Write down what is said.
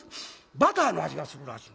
バターの味がするらしい。